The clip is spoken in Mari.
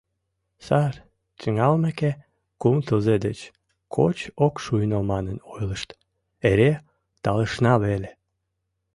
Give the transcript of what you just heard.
Сар тӱҥалмеке, кум тылзе деч коч ок шуйно манын ойлышт, эре талышна веле.